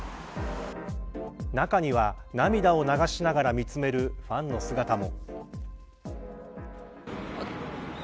中には、涙を流しながら見つめるファンの姿も。